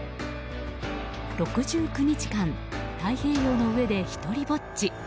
６９日間、太平洋の上で一人ぼっち。